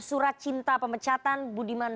surat cinta pemecatan budiman